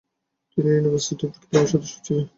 তিনি university Pitt ক্লাবের সদস্য ছিলেন।